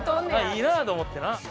いいなと思ってな。